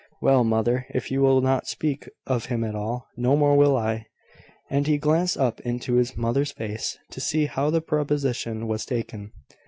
"Well, mother, if you will not speak of him at all, no more will I." And he glanced up into his mother's face, to see how the proposition was taken.